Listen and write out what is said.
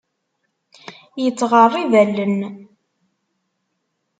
Yettɣerrib allen.